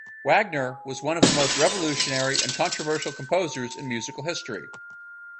Wagner was one of the most revolutionary and controversial composers in musical history.